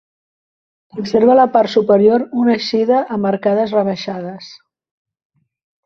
Conserva a la part superior una eixida amb arcades rebaixades.